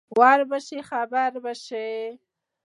ور به شې خبر به شې.